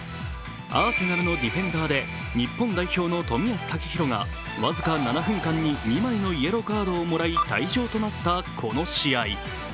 アーセナルのディフェンダーで日本代表の冨安健洋が僅か７分間に２枚のイエローカードをもらい退場となったこの試合。